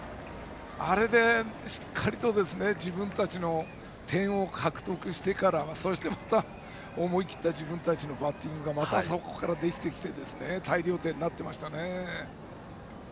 あれでしっかりと自分たちの点を獲得してからまた思い切った自分たちのバッティングがまたそこからできてきて大量点になっていましたね。